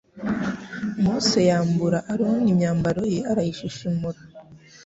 mose yambura aroni imyambaro ye arayishishimura